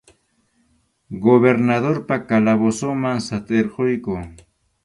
Gobernadorpa calabozonman satʼirquqku.